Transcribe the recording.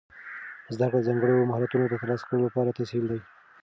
زده کړه د ځانګړو مهارتونو د ترلاسه کولو لپاره تسهیل ده.